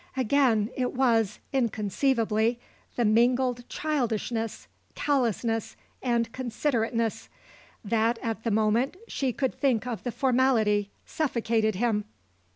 Again it was, inconceivably, the mingled childishness, callousness and considerateness. That, at the moment, she could think of the formality, suffocated him.